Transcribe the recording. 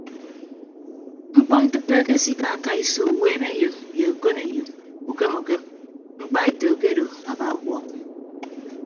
Mkpọntịppe akesikaaka iso uweemeyo ye okoneyo ukem ukem mkpaeto akedo aba ọkuọọk.